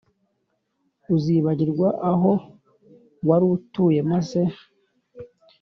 uzibagirwa aho warutuye maze